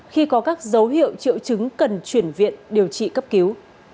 khi có các dấu hiệu triệu chứng cần chuyển viện điều trị cấp cứu